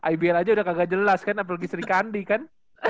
ibl aja udah kagak jelas kan apalagi sri kandi kan